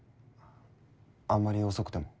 あんまり遅くても。